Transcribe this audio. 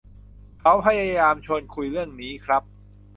เขาพยายามชวนคุยเรื่องนี้ครับ